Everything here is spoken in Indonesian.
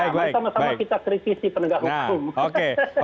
sama sama kita kritis di penegak hukum